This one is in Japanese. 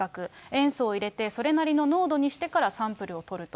塩素を入れてそれなりの濃度にしてからサンプルを取ると。